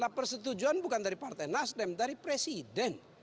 nah persetujuan bukan dari partai nasdem dari presiden